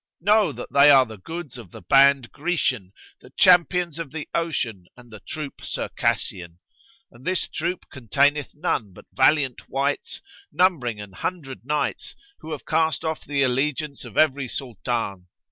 Know that they are the goods of the band Grecian, the champions of the ocean and the troop Circassian; and this troop containeth none but valiant wights numbering an hundred knights, who have cast off the allegiance of every Sultan.